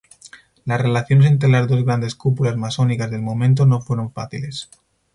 Las relaciones entre las dos grandes cúpulas masónicas del momento no fueron fáciles.